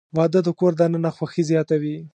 • واده د کور دننه خوښي زیاتوي.